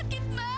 aduh sakit mak